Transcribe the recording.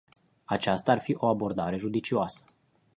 Aceasta ar fi o abordare judicioasă.